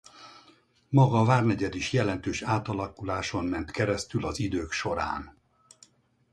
Maga a várnegyed is jelentős átalakuláson ment keresztül az idők során.